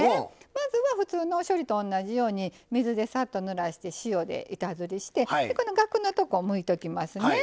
まずは普通の処理と同じように水でサッとぬらして塩で板ずりしてこのガクのとこをむいときますね。